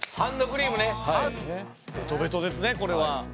ベトベトですねこれは。